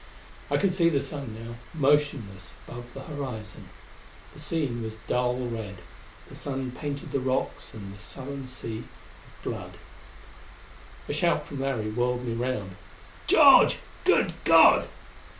I could see the sun now, motionless above the horizon. The scene was dull red. The sun painted the rocks and the sullen sea with blood.... A shout from Larry whirled me round. "George! Good God!"